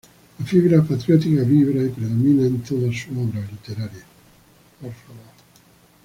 La fibra patriótica vibra y predomina en toda su obra literaria.